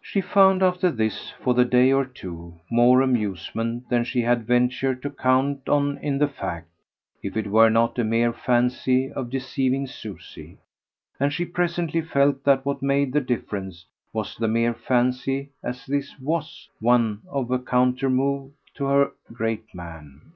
She found after this, for the day or two, more amusement than she had ventured to count on in the fact, if it were not a mere fancy, of deceiving Susie; and she presently felt that what made the difference was the mere fancy as this WAS one of a countermove to her great man.